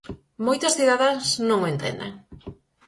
Moitas cidadás non o entenden.